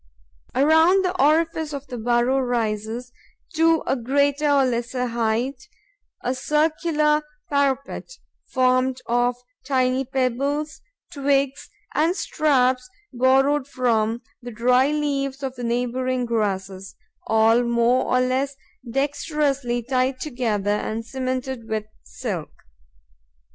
Around the orifice of the burrow rises, to a greater or lesser height, a circular parapet, formed of tiny pebbles, twigs and straps borrowed from the dry leaves of the neighbouring grasses, all more or less dexterously tied together and cemented with silk.